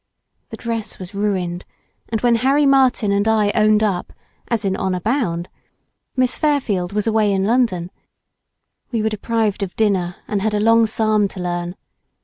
The dress was ruined, and when Harry Martin and I owned up, as in honour bound—Miss Fairfield was away in London—we were deprived of dinner, and had a long Psalm to learn.